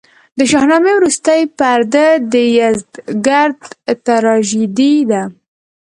د شاهنامې وروستۍ پرده د یزدګُرد تراژیدي ده.